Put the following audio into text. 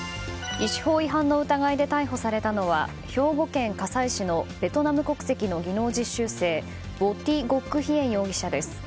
医師法違反の疑いで逮捕されたのは兵庫県加西市のベトナム国籍の技能実習生ヴォ・ティ・ゴック・ヒエン容疑者です。